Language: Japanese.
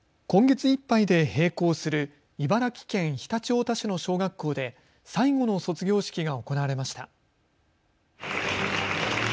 今月いっぱいで閉校する茨城県常陸太田市の小学校で最後の卒業式が行われました。